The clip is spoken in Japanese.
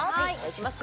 いきます